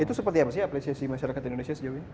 itu seperti apa sih apresiasi masyarakat indonesia sejauh ini